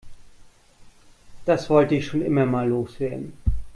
Das wollte ich schon immer mal loswerden.